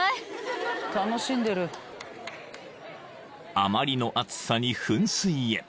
［あまりの暑さに噴水へ］